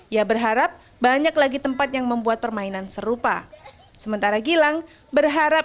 ia berharap banyak lagi tempat yang membuat permainan serupa sementara gilang berharap